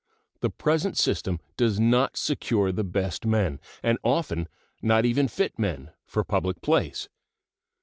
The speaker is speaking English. The present system does not secure the best men, and often not even fit men, for public place.